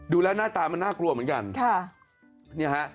ดูแล้วหน้าตามันน่ากลัวเหมือนกันค่ะ